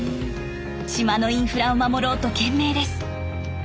島のインフラを守ろうと懸命です。